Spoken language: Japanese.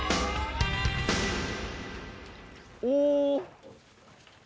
お。